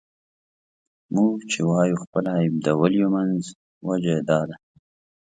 موږ چې وايو خپل عيب د ولیو منځ دی، وجه یې دا ده.